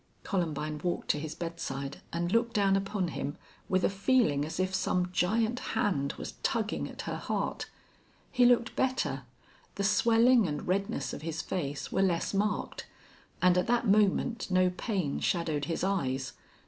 Columbine walked to his bedside and looked down upon him with a feeling as if some giant hand was tugging at her heart. He looked better. The swelling and redness of his face were less marked. And at that moment no pain shadowed his eyes.